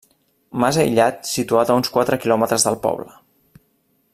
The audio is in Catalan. Mas aïllat situat a uns quatre quilòmetres del poble.